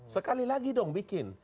sekali lagi dong bikin